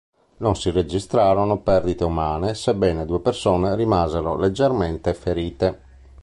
Non si registrarono perdite umane, sebbene due persone rimasero leggermente ferite.